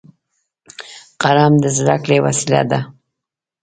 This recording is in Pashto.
قلم د زده کړې وسیله ده